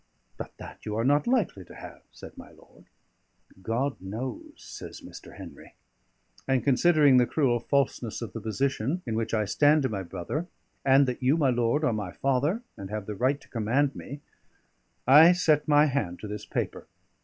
"But that you are not likely to have," said my lord. "God knows!" says Mr. Henry. "And considering the cruel falseness of the position in which I stand to my brother, and that you, my lord, are my father, and have the right to command me, I set my hand to this paper.